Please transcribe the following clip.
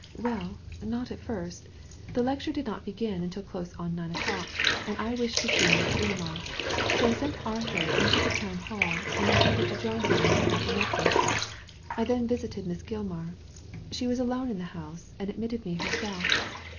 "Well, not at first The lecture did not b^fin until close on nine o'clock, and I wished to see Miss Gilmar; so I sent Arthur in to the Town Hall, and intended to join him when I got the Digitized by Google AN EXPLANATION 179 necklace. I then visited Miss Gilmar. She was alone in the house, and admitted me herself.